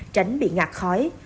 tránh bị ngạt khói